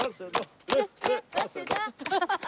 アハハハ。